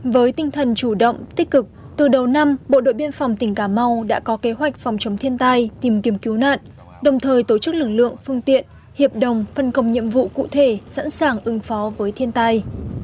với tinh thần chủ động tích cực từ đầu năm bộ đội biên phòng tỉnh cà mau đã có kế hoạch phòng chống thiên tai tìm kiếm cứu nạn đồng thời tổ chức lực lượng phương tiện hiệp đồng phân công nhiệm vụ cụ thể sẵn sàng ứng phó với thiên tai